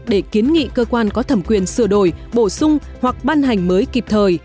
để kiến nghị cơ quan có thẩm quyền sửa đổi bổ sung hoặc ban hành mới kịp thời